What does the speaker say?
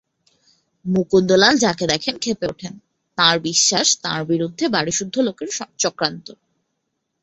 মুকুন্দলাল যাকে দেখেন খেপে ওঠেন, তাঁর বিশ্বাস তাঁর বিরুদ্ধে বাড়িসুদ্ধ লোকের চক্রান্ত।